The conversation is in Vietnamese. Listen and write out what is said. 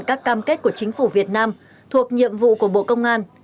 các cam kết của chính phủ việt nam thuộc nhiệm vụ của bộ công an